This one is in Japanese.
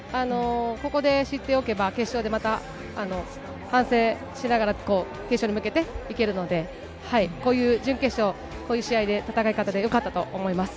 ここで知っておけば、決勝でまた反省しながら決勝に向けていけるので、こういう準決勝、いい試合で戦い方でよかったと思います。